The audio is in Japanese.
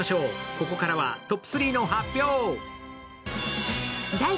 ここからはトップ３の発表。